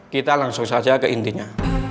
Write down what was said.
kita langsung saja ke intinya